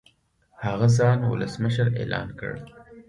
هغه ځان ولسمشر اعلان کړ.